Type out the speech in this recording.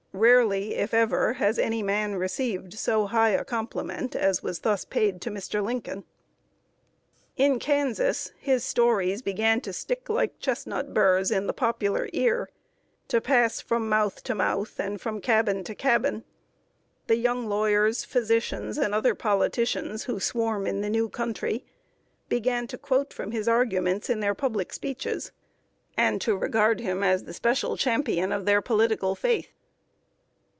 Rarely, if ever, has any man received so high a compliment as was thus paid to Mr. Lincoln. [Sidenote: HIS VISIT TO KANSAS.] In Kansas his stories began to stick like chestnut burrs in the popular ear to pass from mouth to mouth, and from cabin to cabin. The young lawyers, physicians, and other politicians who swarm in the new country, began to quote from his arguments in their public speeches, and to regard him as the special champion of their political faith.